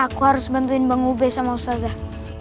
aku harus bantuin bang ube sama ustazah